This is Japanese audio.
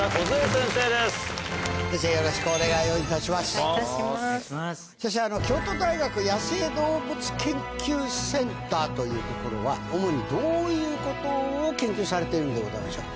先生、京都大学野生動物研究センターという所は、主にどういうことを研究されているんでございましょう。